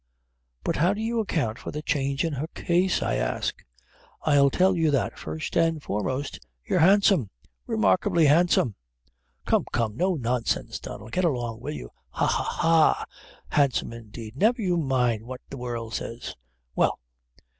"But how do you account for the change in her case, I ask?" "I'll tell you that. First and foremost, you're handsome remarkably handsome." "Come, come, no nonsense, Donnel; get along, will you, ha! ha! ha! handsome indeed! Never you mind what the world says well!"